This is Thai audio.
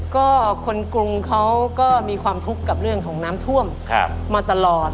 ก็คนกรุงเขาก็มีความทุกข์กับเรื่องของน้ำท่วมมาตลอด